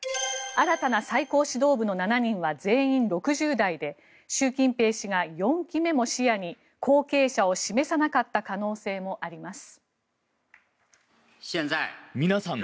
新たな最高指導部の７人は全員６０代で習近平氏が４期目も視野に後継者を示さなかった可能性もあります。